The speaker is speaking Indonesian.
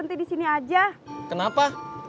nggak ada apa apa